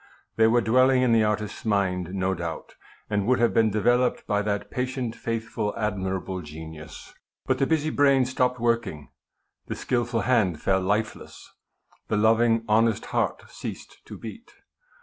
They were dwelling in the artist's mind no doubt, and would have been developed* by that patient, faithful, admi rable genius. But the busy brain stopped working, the skilful hand fell lifeless, the loving, honest heart ceased to beat.